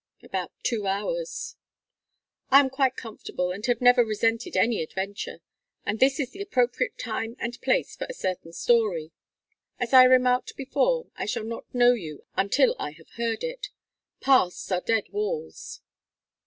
"About two hours." "I am quite comfortable and have never resented any adventure. And this is the appropriate time and place for a certain story. As I remarked before I shall not know you until I have heard it. Pasts are dead walls."